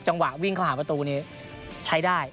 วิ่งเข้าหาประตูนี้ใช้ได้